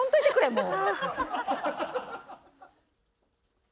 もう。